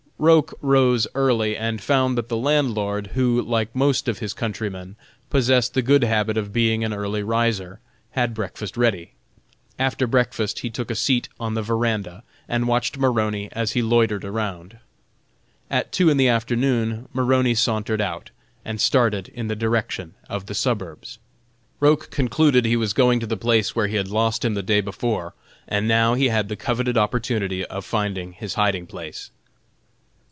Roch rose early, and found that the landlord, who, like most of his countrymen, possessed the good habit of being an early riser, had breakfast ready. After breakfast he took a seat on the verandah, and watched Maroney as he loitered around. At two in the afternoon Maroney sauntered out, and started in the direction of the suburbs. Roch concluded he was going to the place where he had lost him the day before, and now he had the coveted opportunity of finding his hiding place.